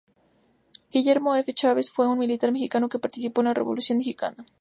Guillermo F. Chávez fue un militar mexicano que participó en la Revolución mexicana.